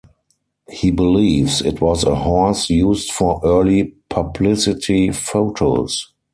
He believes it was a horse used for early publicity photos.